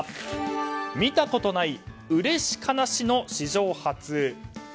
見たことないうれし悲しの史上初。